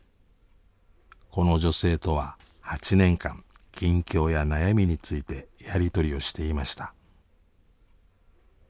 この女性とは８年間近況や悩みについてやり取りをしていました。